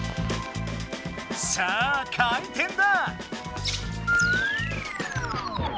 さあ回転だ！